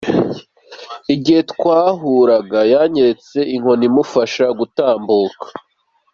Igihe twahura yanyeretse inkoni imufasha gutambuka.